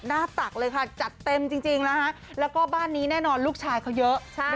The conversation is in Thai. ตักเลยค่ะจัดเต็มจริงนะคะแล้วก็บ้านนี้แน่นอนลูกชายเขาเยอะ